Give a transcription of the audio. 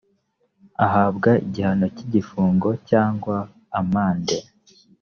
ahabwa igihano cy igifungo cyangwa amande